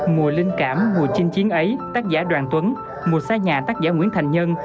mùa linh cảm mùa chinh chiến ấy tác giả đoàn tuấn mùa sa nhà tác giả nguyễn thành nhân